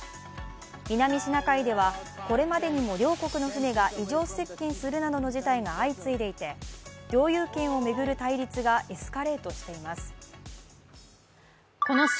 南シナ海ではこれまでにも両国の船が異常接近するなどの事態が相次いでいて領有権を巡る対立がエスカレートしています。